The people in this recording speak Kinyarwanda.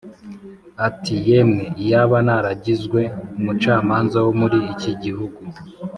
ati “Yemwe, iyaba naragizwe umucamanza wo muri iki gihugu